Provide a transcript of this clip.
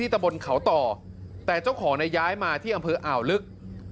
ตะบนเขาต่อแต่เจ้าของย้ายมาที่อำเภออ่าวลึก